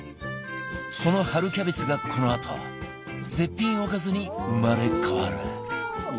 この春キャベツがこのあと絶品おかずに生まれ変わる